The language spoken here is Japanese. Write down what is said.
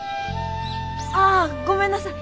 ああごめんなさい。